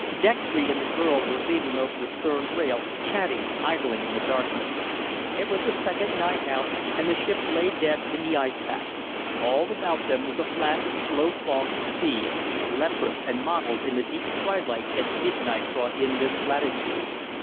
Dextry and the girl were leaning over the stern rail, chatting idly in the darkness. It was the second night out and the ship lay dead in the ice pack. All about them was a flat, floe clogged sea, leprous and mottled in the deep twilight that midnight brought in this latitude.